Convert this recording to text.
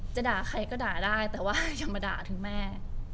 จะด่าใครก็ด่าได้แต่ว่าอย่ามาด่าถึงแม่